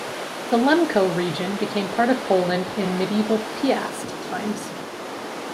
The Lemko region became part of Poland in medieval Piast times.